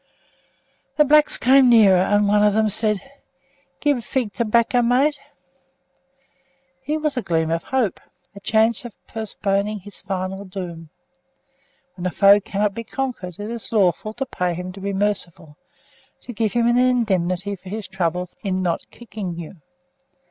The blacks came nearer, and one of them said, "Gib fig tobacker, mate?" Here was a gleam of hope, a chance of postponing his final doom. When a foe cannot be conquered, it is lawful to pay him to be merciful; to give him an indemnity for his trouble in not kicking you.